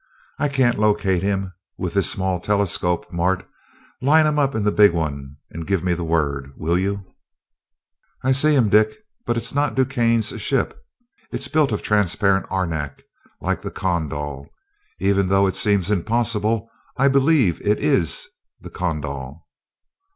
I can't locate him with this small telescope, Mart. Line him up in the big one and give me the word, will you?" "I see him, Dick, but it is not DuQuesne's ship. It is built of transparent arenak, like the 'Kondal.' Even though it seems impossible, I believe it is the 'Kondal'."